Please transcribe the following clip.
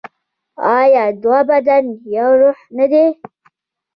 آیا دوه بدن یو روح نه دي؟